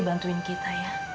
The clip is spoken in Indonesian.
pak tempat ini